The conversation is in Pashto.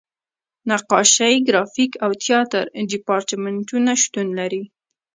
نقاشۍ، ګرافیک او تیاتر دیپارتمنټونه شتون لري.